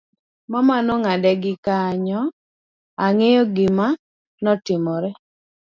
mama nong'ade gi kanyo, ang'eyo gima notimore